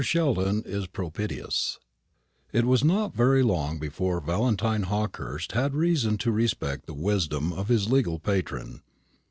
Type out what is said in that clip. SHELDON IS PROPITIOUS It was not very long before Valentine Hawkehurst had reason to respect the wisdom of his legal patron.